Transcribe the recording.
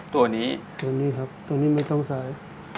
ตัวนี้ตัวนี้มาต้องร่อย